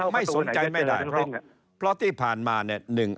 ไม่สนใจไม่ได้เพราะที่ผ่านมาเนี่ย